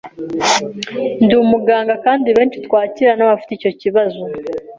Nd’umuganga kandi benshi twakira nabafite icyo kibazo